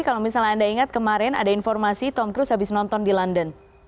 kalau misalnya anda ingat kemarin ada informasi tom cruise habis nonton di london